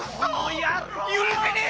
許せねえ！